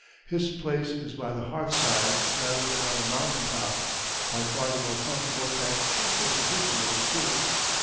His place is by the hearth side rather than on the mountain top by far the more comfortable and cheerful position of the two.